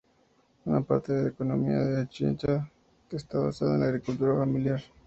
Una parte de la economía de Anchieta está basada en la agricultura familiar.